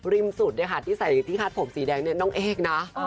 สุดเนี่ยค่ะที่ใส่ที่คาดผมสีแดงเนี่ยน้องเอกนะ